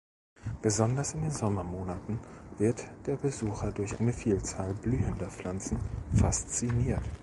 Besonders in den Sommermonaten wird der Besucher durch eine Vielzahl blühender Pflanzen fasziniert.